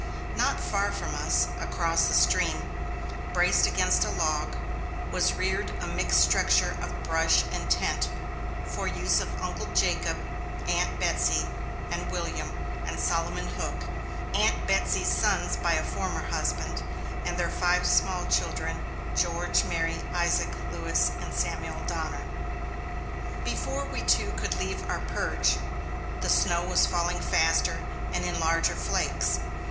Not far from us, across the stream, braced against a log, was reared a mixed structure of brush and tent for use of Uncle Jacob, Aunt Betsy, and William and Solomon Hook (Aunt Betsy's sons by a former husband), and their five small children, George, Mary, Isaac, Lewis, and Samuel Donner. Before we two could leave our perch, the snow was falling faster and in larger flakes.